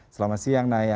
selamat siang naya